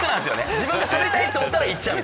自分が喋りたいと思ったら行っちゃう。